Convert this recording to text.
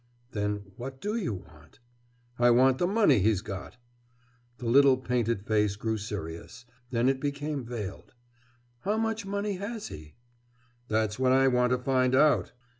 "Then what do you want?" "I want the money he's got." The little painted face grew serious; then it became veiled. "How much money has he?" "That's what I want to find out!"